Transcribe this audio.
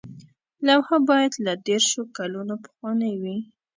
لوحه باید له دیرشو کلونو پخوانۍ وي.